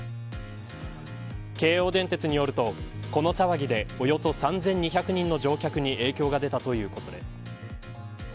京王電鉄によると、この騒ぎでおよそ３２００人の乗客に影響が出たということです。